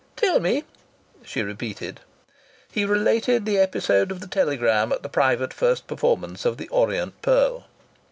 "Tell me," she repeated. He related the episode of the telegram at the private first performance of "The Orient Pearl."